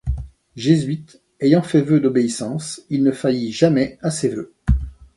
Jésuite, ayant fait vœu d’obéissance, il ne faillit jamais à ses vœux.